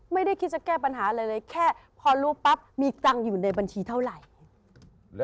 ไม่ได้คิดจะแก้ปัญหาอะไรเลยแค่พอรู้ปั๊บมีตังค์อยู่ในบัญชีเท่าไหร่